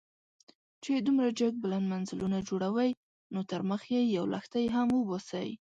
چې دومره جګ بلند منزلونه جوړوئ، نو تر مخ يې يو لښتی هم وباسئ.